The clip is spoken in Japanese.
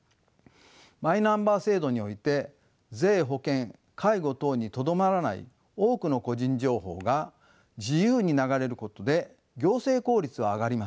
マイナンバー制度において税保険介護等にとどまらない多くの個人情報が自由に流れることで行政効率は上がります。